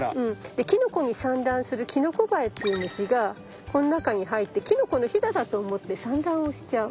でキノコに産卵するキノコバエっていう虫がこの中に入ってキノコのひだだと思って産卵をしちゃう。